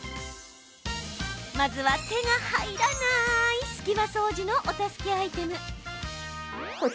まずは、手が入らない隙間掃除のお助けアイテム。